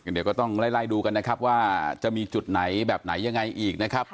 เดี๋ยวก็ต้องไล่ดูกันนะครับว่าจะมีจุดไหนแบบไหนยังไงอีกนะครับ